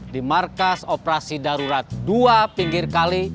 di markas operasi darurat dua pinggir kali